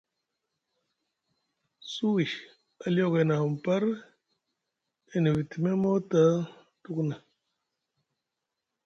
Suwi aliogoy na ahamu par e niviti miŋ mota tuku na.